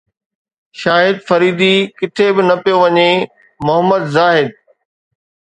شاهد فريدي ڪٿي به نه پيو وڃي محمد زاهد